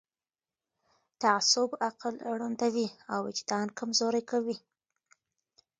تعصب عقل ړندوي او وجدان کمزوری کوي